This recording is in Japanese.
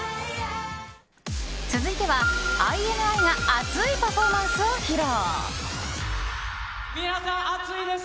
続いては、ＩＮＩが熱いパフォーマンスを披露。